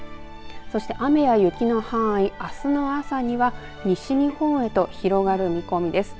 雨や雪の範囲はあすの朝には西日本へと広がる見込みです。